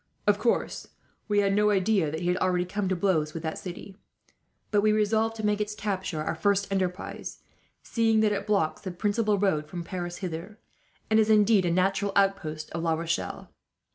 Of course we had no idea that he had already come to blows with that city; but we resolved to make its capture our first enterprise, seeing that it blocks the principal road from Paris hither, and is indeed a natural outpost of La Rochelle.